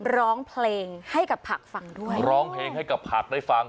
ร้องเพลงให้กับผักฟังด้วยร้องเพลงให้กับผักได้ฟัง